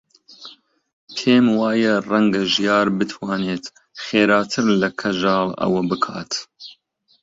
پێم وایە ڕەنگە ژیار بتوانێت خێراتر لە کەژاڵ ئەوە بکات.